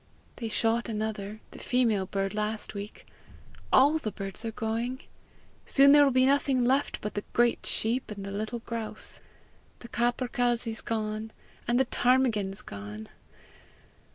"They shot another, the female bird, last week! All the birds are going! Soon there will be nothing but the great sheep and the little grouse. The capercailzie's gone, and the ptarmigan's gone!